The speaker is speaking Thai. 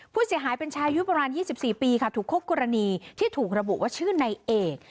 ผู้เสียหายเป็นชายอายุประมาณ๒๔ปีค่ะถูกคู่กรณีที่ถูกระบุว่าชื่อนายเอก